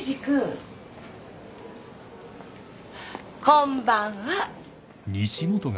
こんばんは。